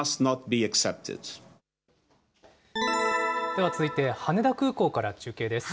では続いて、羽田空港から中継です。